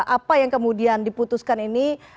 apa yang kemudian diputuskan ini